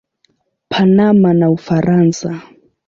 Panama na Ufaransa.